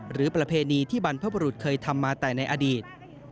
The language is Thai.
ประเพณีที่บรรพบรุษเคยทำมาแต่ในอดีต